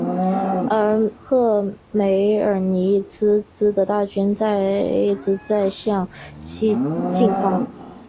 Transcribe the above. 而赫梅尔尼茨基的大军一直都在向西进发。